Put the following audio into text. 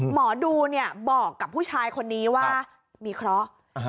หมอดูบอกกับผู้ชายคนนี้ว่ามีเคราะห์